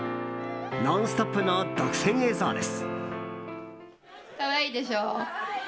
「ノンストップ！」の独占映像です。